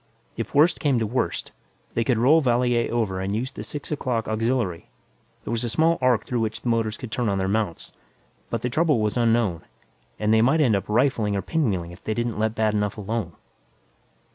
If worst came to worst, they could roll Valier over and use the six o'clock auxiliary; there was a small arc through which the motors could turn on their mounts. But the trouble was unknown, and they might end up rifling or pinwheeling if they didn't let bad enough alone.